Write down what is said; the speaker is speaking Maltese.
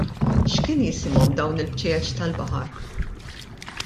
X'kien jisimhom dawn il-bċejjeċ tal-baħar?